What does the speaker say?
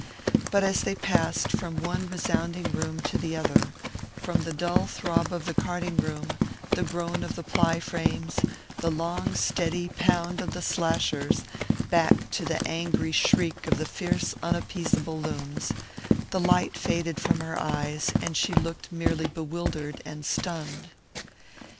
But as they passed from one resounding room to the other from the dull throb of the carding room, the groan of the ply frames, the long steady pound of the slashers, back to the angry shriek of the fierce unappeasable looms the light faded from her eyes and she looked merely bewildered and stunned.